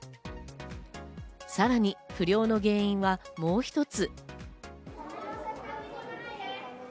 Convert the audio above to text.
さらに不漁の原因はもう一つ。